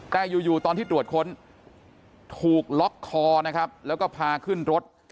แต่อยู่ตอนที่ตรวจค้นถูกล็อกคอนะครับแล้วก็พาขึ้นรถ